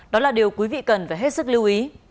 đó là điều quý vị cần phải hết sức lưu ý